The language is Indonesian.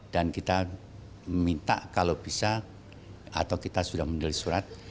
dan kita minta kalau bisa atau kita sudah menulis surat